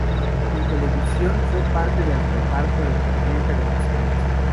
En televisión, fue parte del reparto de "Tormenta de pasiones".